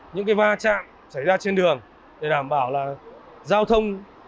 những va chạm xảy ra trên đường để đảm bảo là giao thông